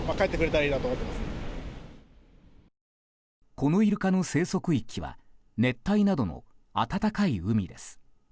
このイルカの生息域は熱帯などの暖かい海です。